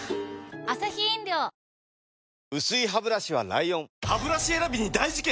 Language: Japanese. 薄いハブラシは ＬＩＯＮハブラシ選びに大事件！